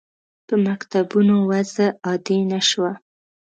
په مکتوبونو وضع عادي نه شوه.